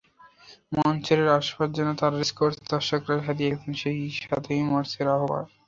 মঞ্চের আশপাশ যেন তখন রেসকোর্স, দর্শকেরা হারিয়ে গেছেন সেই সাতই মার্চের আবহে।